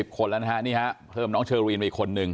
คนแล้วนะฮะนี่ฮะเพิ่มน้องเชอรีนไปอีกคนนึง